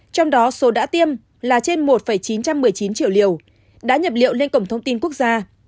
trong đó số đã tiêm là trên một chín trăm một mươi chín triệu liều đã nhập liệu lên cổng thông tin quốc gia